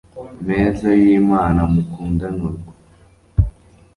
meza y'imana, mukundane urwo